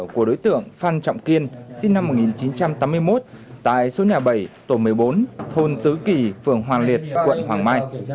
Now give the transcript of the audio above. của đối tượng phan trọng kiên sinh năm một nghìn chín trăm tám mươi một tại số nhà bảy tổ một mươi bốn thôn tứ kỳ phường hoàng liệt quận hoàng mai